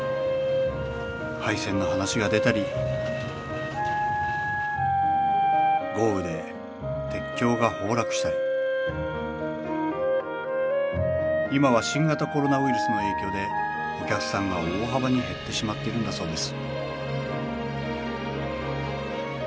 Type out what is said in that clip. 廃線の話が出たり豪雨で鉄橋が崩落したり今は新型コロナウイルスの影響でお客さんが大幅に減ってしまってるんだそうです